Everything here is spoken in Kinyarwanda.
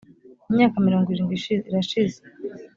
imyaka mirongo irindwi irashize